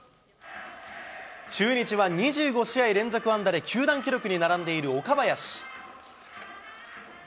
中日は２５試合連続安打で、球団記録に並んでいる岡林。